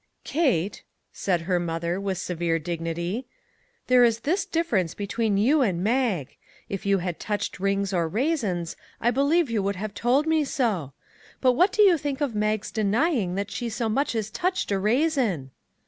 " Kate," said her mother, with severe dig nity, " there is this difference between you and Mag: if you had touched rings or raisins, I believe you would have told me so. But what do you think of Mag's denying that she so much as touched a raisin